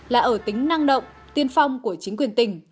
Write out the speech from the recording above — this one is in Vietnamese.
là ở tính năng động tiên phong của chính quyền tỉnh